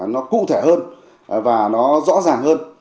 nó cụ thể hơn và nó rõ ràng hơn